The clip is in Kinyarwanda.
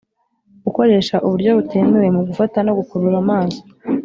Ukoresha uburyo butemewe mu gufata no gukurura amazi